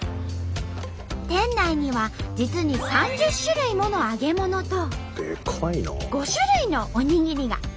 店内には実に３０種類もの揚げ物と５種類のおにぎりが。